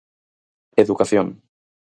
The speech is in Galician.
Educación.